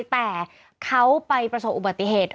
แต่เขาไปประสบอุบัติเหตุ